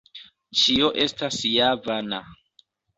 Ĉio estas ja vana.